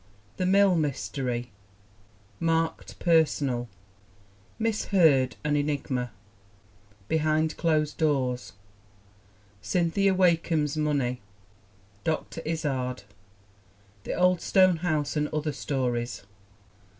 The Mill Mystery. Marked "Personal." Miss Hurd An Enigma. Behind Closed Doors. Cynthia Wakeham's Money. Dr. Izard. The Old Stone House and Other Stories.